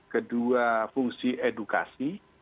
kedua fungsi edukasi